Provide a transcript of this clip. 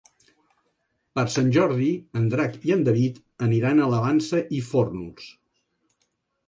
Per Sant Jordi en Drac i en David aniran a la Vansa i Fórnols.